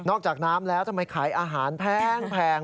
จากน้ำแล้วทำไมขายอาหารแพง